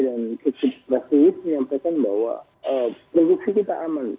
dan kecil kecil prasewis menyampaikan bahwa produksi kita aman